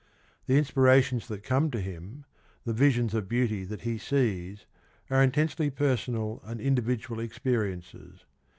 The inspirations that come to him, the visions of beauty that he sees, are intensely personal and individual experiences.